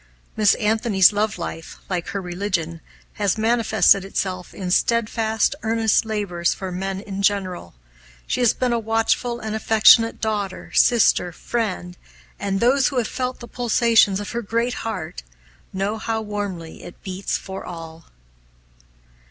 Miss Anthony's love life, like her religion, has manifested itself in steadfast, earnest labors for men in general. She has been a watchful and affectionate daughter, sister, friend, and those who have felt the pulsations of her great heart know how warmly it beats for all.